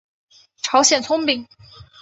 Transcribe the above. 朝鲜葱饼。